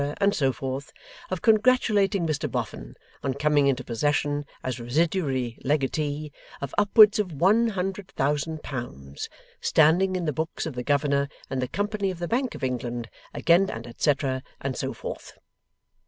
and so forth, of congratulating Mr Boffin on coming into possession as residuary legatee, of upwards of one hundred thousand pounds, standing in the books of the Governor and Company of the Bank of England, again &c. and so forth.